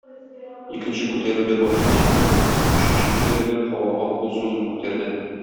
Икенче күтәрүдә башына җиткерде, өченче күтәрүдә һавага кул сузымы күтәрде.